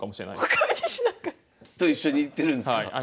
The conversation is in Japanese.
他は西田君！と一緒に行ってるんすか？